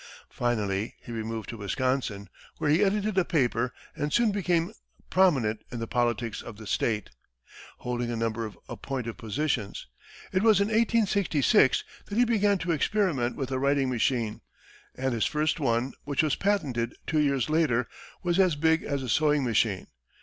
Finally he removed to Wisconsin, where he edited a paper and soon became prominent in the politics of the state, holding a number of appointive positions. It was in 1866 that he began to experiment with a writing machine, and his first one, which was patented two years later, was as big as a sewing machine.